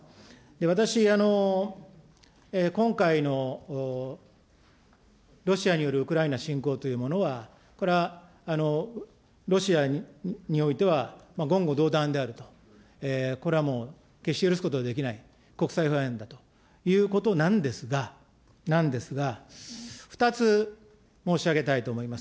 私、今回のロシアによるウクライナ侵攻というものは、これは、ロシアにおいては言語道断であると、これはもう決して許すことができない国際法違反だということなんですが、２つ申し上げたいと思います。